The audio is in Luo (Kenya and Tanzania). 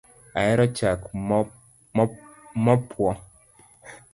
Ahero chak mopwo